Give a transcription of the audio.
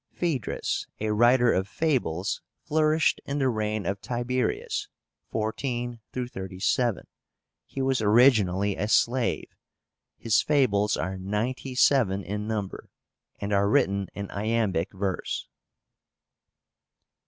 PHAEDRUS, a writer of fables, flourished in the reign of Tiberius (14 37). He was originally a slave. His fables are ninety seven in number, and are written in iambic verse.